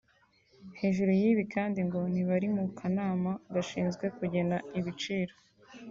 hejuru y’ibi kandi ngo ntibari mu kanama gashinzwe kugena ibiciro